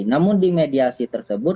namun di mediasi tersebut